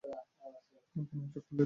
প্যানেলটা খুললেই, ফ্রিজে ঢুকে পড়বে।